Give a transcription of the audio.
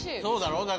そうだろ？